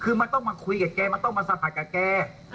คือมันต้องมาคุยกับแกมันต้องมาสัมผัสกับแก